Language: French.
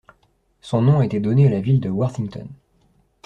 Son nom a été donné à la ville de Worthington.